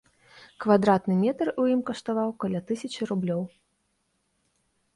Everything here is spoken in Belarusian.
Квадратны метр у ім каштаваў каля тысячы рублёў.